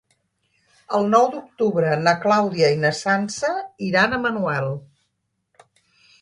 El nou d'octubre na Clàudia i na Sança iran a Manuel.